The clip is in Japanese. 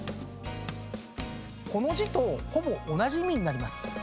この字とほぼ同じ意味になります。